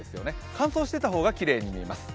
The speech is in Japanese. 乾燥していた方がきれいに見えます。